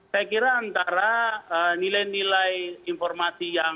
saya kira antara nilai nilai informasi yang